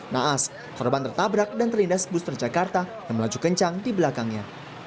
naas korban tertabrak dan terlindas bus transjakarta yang melaju kencang di belakangnya